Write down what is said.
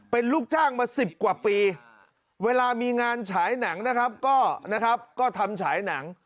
เป็นลูกจ้างมา๑๐กว่าปีเวลามีงานฉายหนังนะครับก็นะครับก็ทำฉายหนัง